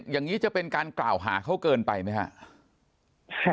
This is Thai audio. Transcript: อย่างนี้จะเป็นการกล่าวหาเขาเกินไปไหมครับ